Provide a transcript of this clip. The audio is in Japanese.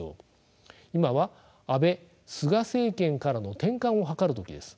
今は安倍・菅政権からの転換を図る時です。